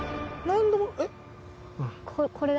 何度もえっ？